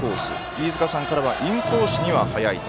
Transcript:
飯塚さんからはインコースには速い球。